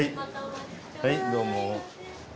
はいどうも。